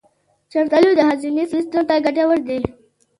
شفتالو د هاضمې سیستم ته ګټور دی.